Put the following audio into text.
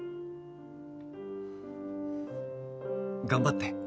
頑張って。